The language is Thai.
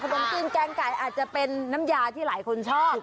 คุณบำกลิ่นแกงไก่อาจจะเป็นน้ำยาที่หลายคนชอบ